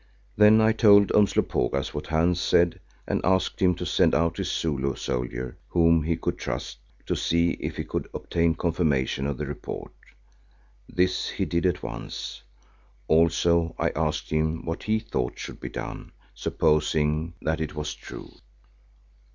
Then I told Umslopogaas what Hans said and asked him to send out his Zulu soldier whom he could trust, to see if he could obtain confirmation of the report. This he did at once. Also I asked him what he thought should be done, supposing that it was true.